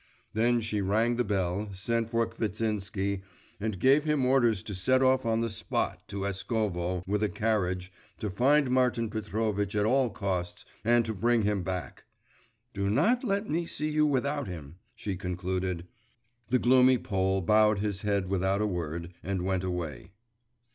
Then she rang the bell, sent for Kvitsinsky, and gave him orders to set off on the spot to Eskovo, with a carriage, to find Martin Petrovitch at all costs, and to bring him back. 'Do not let me see you without him,' she concluded. The gloomy Pole bowed his head without a word, and went away.